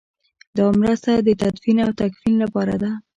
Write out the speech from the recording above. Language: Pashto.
دا مرسته د تدفین او تکفین لپاره ده.